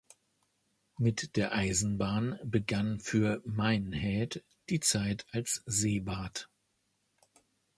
Mit der Eisenbahn begann für Minehead die Zeit als Seebad.